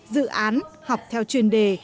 dự án học theo truyền đề